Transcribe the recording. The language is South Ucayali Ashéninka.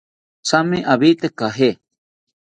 Thame owite caje